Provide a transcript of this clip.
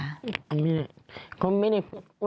ไม่นะเขามีอยู่